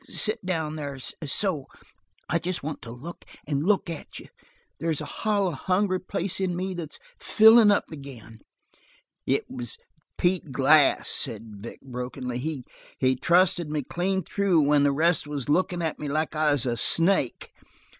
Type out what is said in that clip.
Sit down there so! I just want to look and look at you. There's a hollow, hungry place in me that's filling up again." "It was Pete Glass," said Gregg brokenly. "He he trusted me clean through when the rest was lookin' at me like I was a snake.